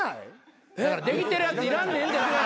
だからできてるやついらんねんって。